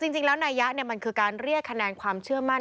จริงแล้วนายะมันคือการเรียกคะแนนความเชื่อมั่น